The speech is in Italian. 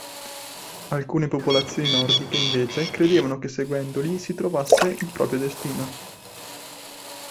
Alcune popolazioni nordiche invece credevano che seguendoli si trovasse il proprio destino.